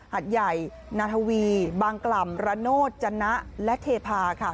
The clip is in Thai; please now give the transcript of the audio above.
หัดใหญ่นาธวีบางกล่ำระโนธจนะและเทพาค่ะ